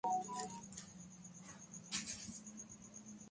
گفتگو ہو رہی تھی